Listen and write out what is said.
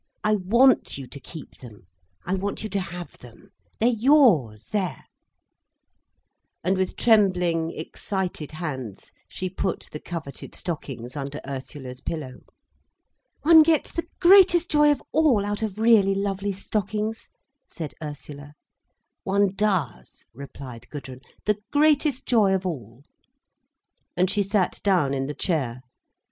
I want you to keep them—I want you to have them. They're yours, there—" And with trembling, excited hands she put the coveted stockings under Ursula's pillow. "One gets the greatest joy of all out of really lovely stockings," said Ursula. "One does," replied Gudrun; "the greatest joy of all." And she sat down in the chair.